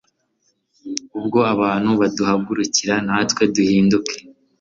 ubwo abantu baduhagurukira natwe duhinduke